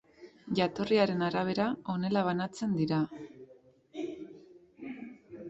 Jatorriaren arabera, honela banatzen dira.